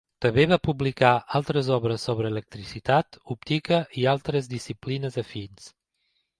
També va publicar altres obres sobre electricitat, òptica i altres disciplines afins.